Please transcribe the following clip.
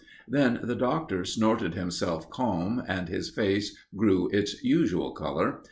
Then the Doctor snorted himself calm, and his face grew its usual colour.